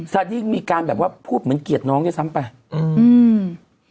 ซาดิ้งมีการแบบว่าพูดเหมือนเกียรติน้องเยอะซ้ำไปอืม